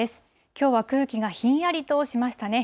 きょうは空気がひんやりとしましたね。